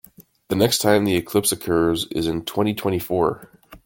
The next time the eclipse occurs is in twenty-twenty-four.